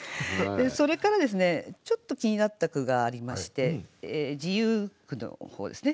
それからちょっと気になった句がありまして自由句の方ですね。